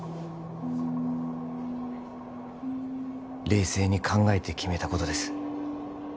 冷静に考えて決めたことです